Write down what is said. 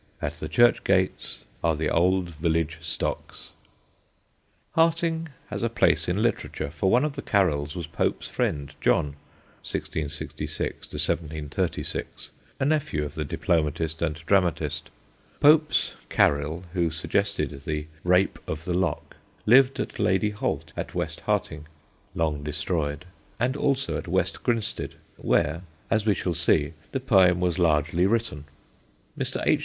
At the church gates are the old village stocks. [Sidenote: MRS. JONES' MULYGRUBES] Harting has a place in literature, for one of the Carylls was Pope's friend, John (1666 1736), a nephew of the diplomatist and dramatist. Pope's Caryll, who suggested The Rape of the Lock, lived at Lady Holt at West Harting (long destroyed) and also at West Grinstead, where, as we shall see, the poem was largely written. Mr. H.